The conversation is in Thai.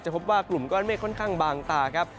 พบว่ากลุ่มก้อนเมฆค่อนข้างบางตาครับ